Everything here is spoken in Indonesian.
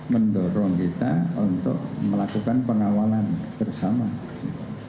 mendorong kita untuk melakukan proses